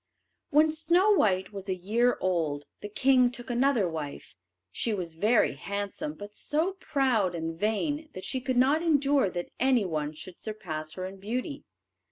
When Snow white was a year old, the king took another wife. She was very handsome, but so proud and vain that she could not endure that anyone should surpass her in beauty.